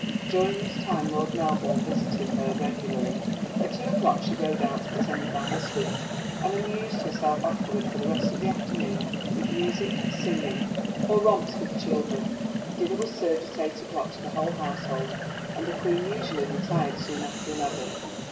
During this time Lord Melbourne visited her regularly. At two o'clock she rode out, attended by her suite, and amused herself afterward for the rest of the afternoon with music, singing, or romps with children. Dinner was served at eight o'clock to the whole household, and the Queen usually retired soon after eleven.